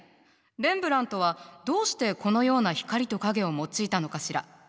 レンブラントはどうしてこのような光と影を用いたのかしら？